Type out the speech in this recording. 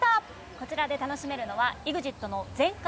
こちらで楽しめるのは「ＥＸＩＴの全開！！